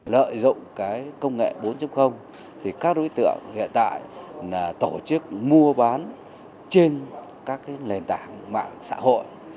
lợi dụng cái công nghệ bốn thì các đối tượng hiện tại là tổ chức mua bán trên các cái nền tảng mạng xã hội